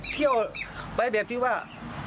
เที่ยวไปแบบที่ว่า